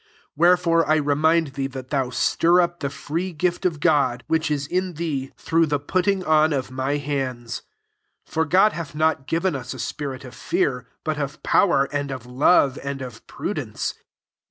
6 Wherefore I remind thee that thou stir up the free ^& d God, which is in thee ^hroogb 2 TIMOTHY IL 343 the putting on of my hands. 7 For God hath not given us a spirit of fear, but of power, and of love, 'and of prudence.